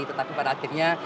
tetapi pada akhirnya